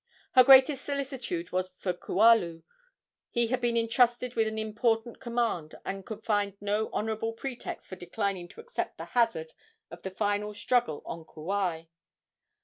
Her greatest solicitude was for Kualu. He had been entrusted with an important command, and could find no honorable pretext for declining to accept the hazard of the final struggle on Kauai.